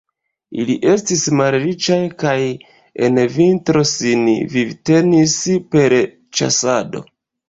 Ili estis malriĉaj kaj en vintro sin vivtenis per ĉasado.